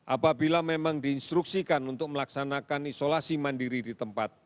apabila memang diinstruksikan untuk melaksanakan isolasi mandiri di tempat